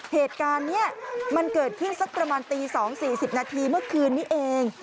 เหตุการณ์นี้มันเกิดขึ้นสักประมาณตี๒๔๐นาทีเมื่อคืนนี้เอง